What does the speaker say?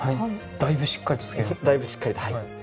だいぶしっかりとはい。